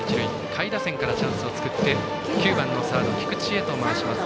下位打線からチャンスを作って９番のサード、菊池へと回ります。